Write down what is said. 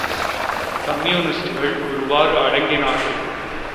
கம்யூனிஸ்டுகள் ஒருவாறு அடங்கினார்கள்.